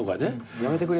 やめてくれる？